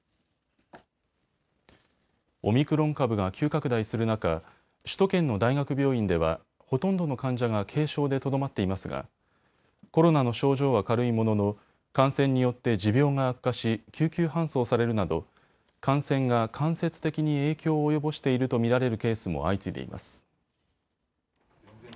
オミクロン株が急拡大する中、首都圏の大学病院ではほとんどの患者が軽症でとどまっていますがコロナの症状は軽いものの感染によって持病が悪化し救急搬送されるなど感染が間接的に影響を及ぼしていると見られるケースも相次いでいます。